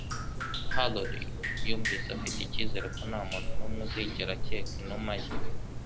Harrold yumvise afite ikizere ko ntamuntu numwe uzigera akeka inuma ye.